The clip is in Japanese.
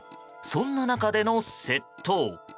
そんな中での窃盗。